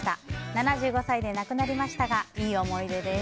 ７５歳で亡くなりましたがいい思い出です。